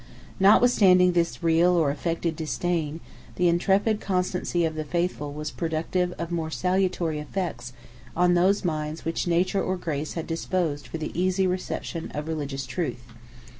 97 Notwithstanding this real or affected disdain, the intrepid constancy of the faithful was productive of more salutary effects on those minds which nature or grace had disposed for the easy reception of religious truth.